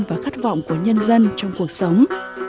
và khát vọng của nhân dân trong cuộc sống